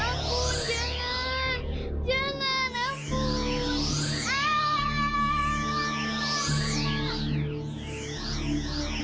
ampun jangan jangan ampun